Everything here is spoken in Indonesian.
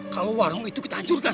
kalau warung itu kita hancurkan